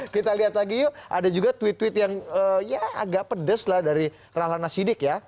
kita lihat lagi yuk ada juga tweet tweet yang ya agak pedes lah dari rahlan nasidik ya